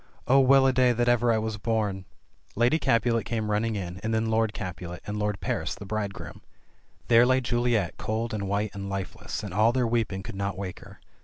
Oh, well a day that ever I was born !" Lady Capulet came running in, and then Lord Capulet, and Lord Paris, the bridegroom. There lay Juliet cold and white and lifeless, and all their weeping could not wake her.